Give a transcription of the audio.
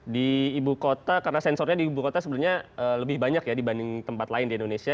di ibu kota karena sensornya di ibu kota sebenarnya lebih banyak ya dibanding tempat lain di indonesia